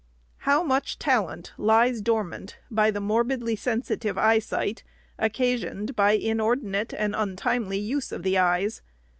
How much talent lies dormant by the morbidly sensitive eyesight, occasioned by inordinate and untimely use of the eyes